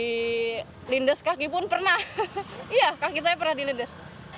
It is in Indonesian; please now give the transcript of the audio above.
di lindas kaki pun pernah iya kaki saya pernah dilides